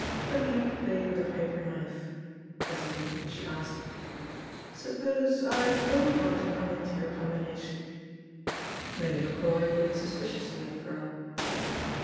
Thalia played with her paper knife. Presently she asked: "Suppose I don't want to come into your combination?" Milly Macroy looked suspiciously at the girl.